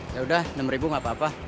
yaudah enam gak apa apa